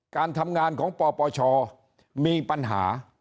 การทำงานของปปชมีปัญหา